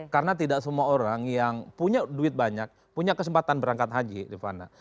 karena tidak semua orang yang punya duit banyak punya kesempatan berangkat haji di mana